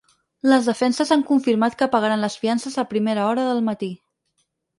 Les defenses han confirmat que pagaran les fiances a primera hora del matí.